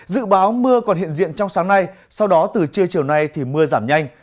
dự báo mưa còn hiện diện trong sáng nay sau đó từ chiều chiều này thì mưa giảm nhanh